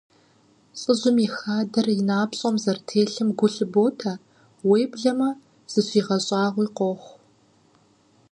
ЛӀыжьым и хадэр и напщӀэм зэрытелъым гу лъыботэ, уеблэмэ зыщигъэщӀагъуи къохъу.